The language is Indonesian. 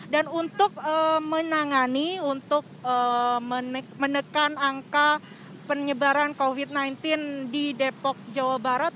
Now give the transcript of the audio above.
dan untuk menangani untuk menekan angka penyebaran covid sembilan belas di depok jawa barat